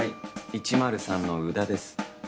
１０３の宇田です。